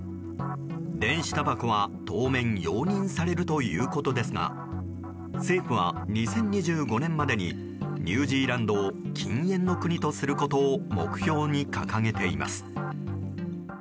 電子たばこは当面容認されるということですが政府は２０２５年までにニュージーランドを禁煙の国とすることを目標に掲げています。